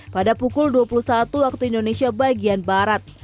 pada pukul dua puluh satu waktu indonesia bagian barat